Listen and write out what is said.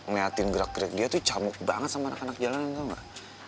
ngeiatin gerak gerik dia tuh camuk banget sama anak anak jalanan tau gak